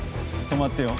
止まってよ。